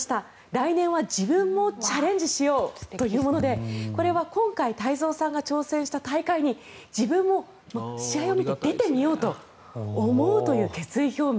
来年は自分もチャレンジしようというものでこれは今回、太蔵さんが挑戦した大会に自分も、試合を見て出てみようと思うという決意表明